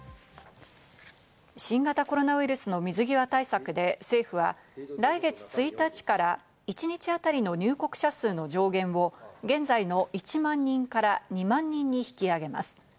新型コロナウイルスの水際対策で政府は来月１日から一日当たりの入国者数の上限を現在の１万人から２万人に引き上げます。